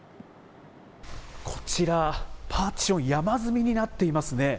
こちら、パーティション、山積みになっていますね。